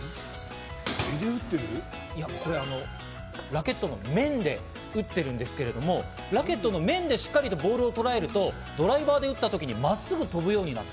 ラケットの面で打ってるんですけども、ラケットの面でしっかりとボールをとらえると、ドライバーで打ったときに真っすぐ飛ぶようになる。